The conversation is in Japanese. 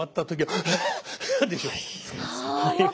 はい。